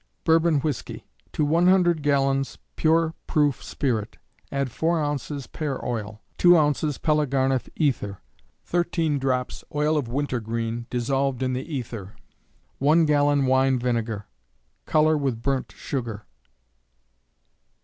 Bourbon Whiskey. To 100 gallons pure proof spirit, add 4 ounces pear oil; 2 ounces pelargonif ether; 13 drs. oil of wintergreen, dissolved in the ether; 1 gallon wine vinegar. Color with burnt sugar.